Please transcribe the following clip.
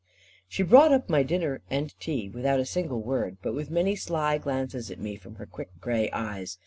She brought up my dinner and tea, without a single word, but with many sly glances at me from her quick grey eyes.